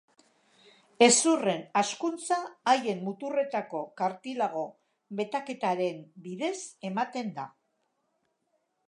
Hezurren hazkuntza haien muturretako kartilago metaketaren bidez ematen da.